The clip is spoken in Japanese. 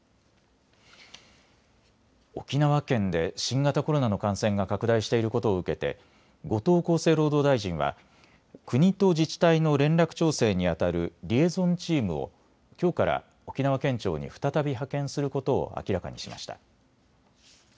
沖縄県で新型コロナの感染が拡大していることを受けて後藤厚生労働大臣は国と自治体の連絡調整にあたるリエゾンチームをきょうから沖縄県庁に再び派遣することを明らかにしました。